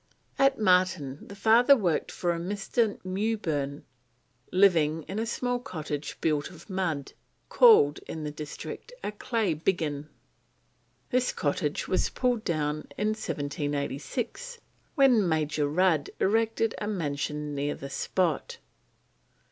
At Marton the father worked for a Mr. Mewburn, living in a small cottage built of mud, called in the district a clay biggin. This cottage was pulled down in 1786, when Major Rudd erected a mansion near the spot.